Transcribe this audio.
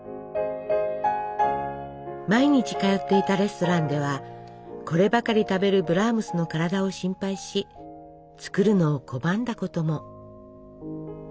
毎日通っていたレストランではこればかり食べるブラームスの体を心配し作るのを拒んだことも。